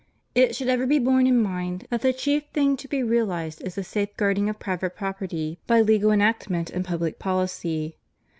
It should ever be borne in mind that the chief thing to be realized is the safeguarding of private property by legal enactment and public poUcy.